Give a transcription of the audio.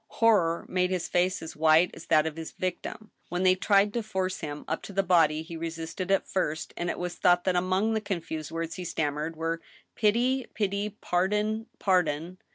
Horror made his face as white as that of his victim. When they tried to force him up to the body, he resisted at first, and it was thought that among the confused words he stam mered were * Pity ! pity ! Pardon ! pardon